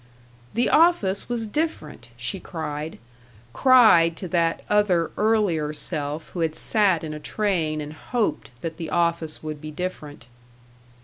The office was different, she cried cried to that other earlier self who had sat in a train and hoped that the office would be different.